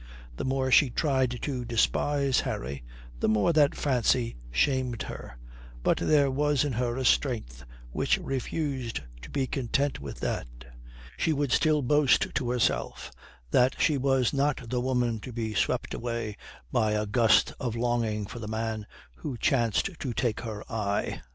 The more she tried to despise Harry, the more that fancy shamed her. But there was in her a strength which refused to be content with that. She would still boast to herself that she was not the woman to be swept away by a gust of longing for the man who chanced to take her eye.